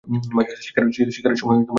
স্বীকারের সময় কুত্তার হাগা।